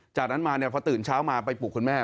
จากนั้นมาพอตื่นเช้ามาไปปลุกคุณแม่